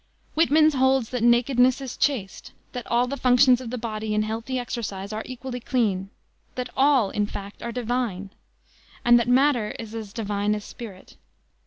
Whitman holds that nakedness is chaste; that all the functions of the body in healthy exercise are equally clean; that all, in fact, are divine; and that matter is as divine as spirit.